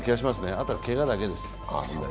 あとはけがだけです。